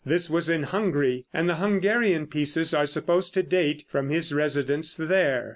This was in Hungary, and the Hungarian pieces are supposed to date from his residence there.